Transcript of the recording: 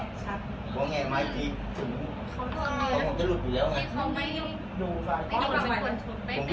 ผมว่าไงมาอีกทีผมจะหลุดอยู่แล้วไง